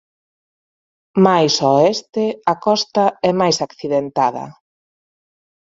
Máis ao oeste a costa é máis accidentada.